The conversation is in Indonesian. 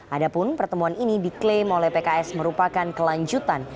adapun pertemuan ini diklaim oleh pks merupakan kelanjutan